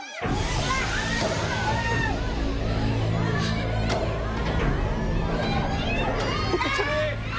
คุณร้องจัง